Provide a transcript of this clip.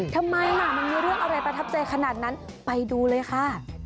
ทำไมล่ะมันมีเรื่องอะไรประทับใจขนาดนั้นไปดูเลยค่ะ